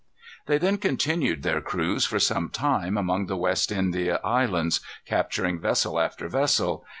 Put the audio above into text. They then continued their cruise, for some time, among the West India Islands, capturing vessel after vessel.